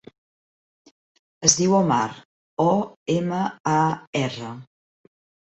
Es diu Omar: o, ema, a, erra.